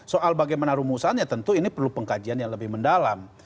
soal bagaimana rumusannya tentu ini perlu pengkajian yang lebih mendalam